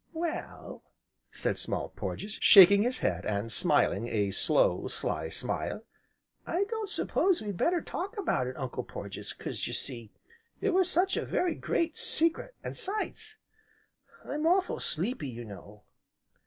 "Well," said Small Porges, shaking his head, and smiling, a slow, sly smile, "I don't s'pose we'd better talk about it, Uncle Porges, 'cause, you see, it was such a very great secret; an 'sides, I'm awful sleepy, you know!"